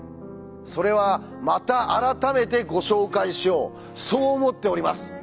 それはまた改めてご紹介しようそう思っております。